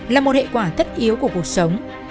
là một hệ quả thất yếu của cuộc sống